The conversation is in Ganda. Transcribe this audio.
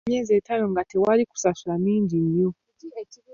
Emyezi ettaano nga tewali kusasula mingi nnyo.